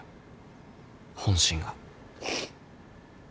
本心が。